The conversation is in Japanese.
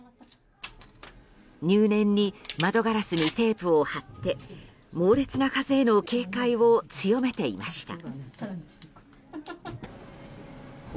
入念に窓ガラスにテープを貼って猛烈な風への警戒を強めていました。